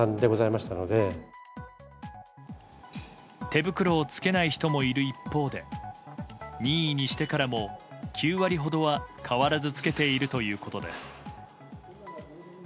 手袋を着けない人もいる一方で任意にしてからも９割ほどは変わらず着けているということです。